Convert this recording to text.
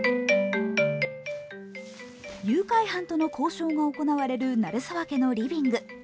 誘拐犯との交渉が行われる鳴沢家のリビング。